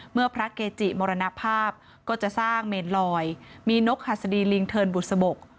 เมื่อพระเกจิมรณภาพก็จะสร้างเมนลอยมีนกหัสดีลิงเทินบุษบก